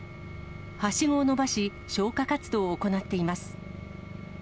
はしごを伸ばし、消火活動を行っています。